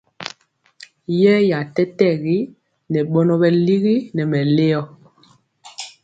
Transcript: Yeeya tɛtɛgi ŋɛ bɔnɔ bɛ ligi nɛ mɛleoma.